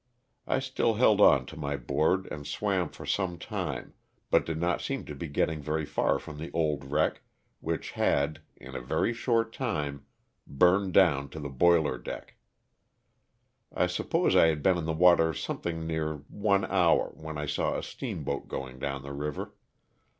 I still held on to my board and swam for some time but did not seem to be getting very far from the old wreck, which had, in a very short time, burned down to the boiler deck. I suppose I had been in the water something near one hour when I saw a steamboat going down the river.